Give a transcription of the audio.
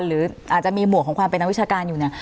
หรืออาจจะมีหมวกของความเป็นนักวิชาการอยู่เนี่ย